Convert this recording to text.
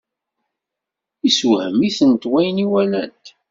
Yessewhem-itent wayen i walant.